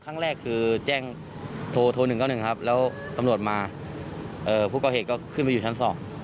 ครั้งแรกคือแจ้งโทร๑๙๑ครับแล้วตำรวจมาผู้ก่อเหตุก็ขึ้นไปอยู่ชั้น๒